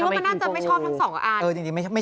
ว่าใช่